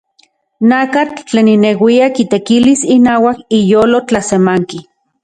Nakatl tlen ineuian kitekilis inauak iyolo tlasemanki.